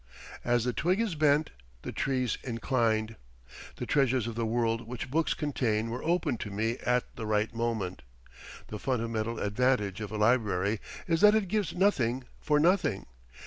"As the twig is bent the tree's inclined." The treasures of the world which books contain were opened to me at the right moment. The fundamental advantage of a library is that it gives nothing for nothing.